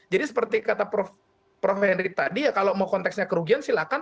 jadi seperti kata prof henry tadi kalau mau konteksnya kerugian silakan